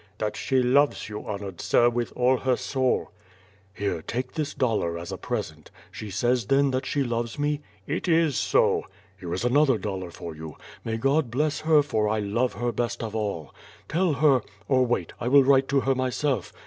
"That she loves you, honored sir, with all her soul." "Here, take this dollar as a present. She says then that she loves me?" "It is so!" "Here is another dollar for you. May God bless her for I love her best of all. Tell her — or wait — I will write to her myself.